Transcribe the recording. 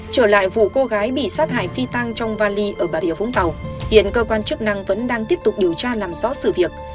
trở lại vụ cô gái bị sát hại phi tăng trong vali ở bà rịa vũng tàu hiện cơ quan chức năng vẫn đang tiếp tục điều tra làm rõ sự việc